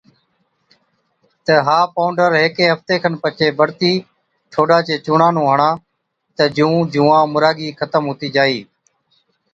تہ ها پونڊر هيڪي هفتي کن پڇي بڙتِي ٺوڏا چي چُونڻان نُون هڻا، تہ جُون جُوئان مُراگِي ختم هُتِي جائِي۔